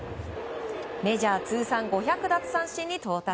メジャー通算５００奪三振に到達。